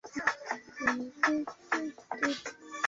Kasiga ni Mkurugenzi masoko wa bodi ya Utalii Tanzani